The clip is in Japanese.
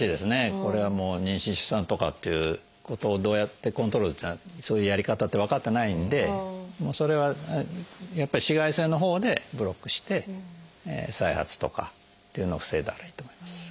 これはもう妊娠出産とかっていうことをどうやってコントロールそういうやり方って分かってないんでそれはやっぱり紫外線のほうでブロックして再発とかっていうのを防いだらいいと思います。